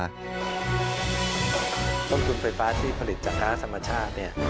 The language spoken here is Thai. ต้นทุนไฟฟ้าที่ผลิตจากค้าธรรมชาติ